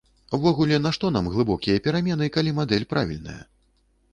Увогуле, нашто нам глыбокія перамены, калі мадэль правільная?